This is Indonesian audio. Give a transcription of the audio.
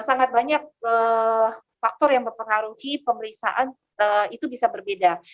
sangat banyak faktor yang mempengaruhi pemeriksaan itu bisa berbeda